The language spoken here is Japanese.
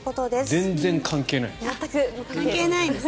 全然関係ないです。